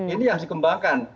ini yang dikembangkan